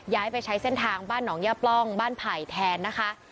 ย้ายไปใช้เส้นทางบ้านหนองย่าปล้องบ้านไผ่แทนนะคะ